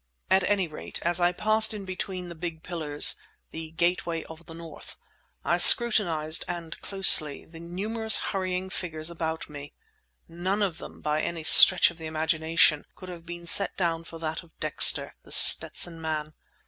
At any rate, as I passed in between the big pillars, "The gateway of the North," I scrutinized, and closely, the numerous hurrying figures about me. None of them, by any stretch of the imagination, could have been set down for that of Dexter, The Stetson Man.